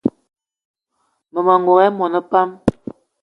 Mmema n'gogué mona pam